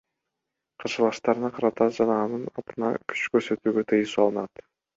Каршылаштарына карата жана анын атына күч көрсөтүүгө тыюу салынат.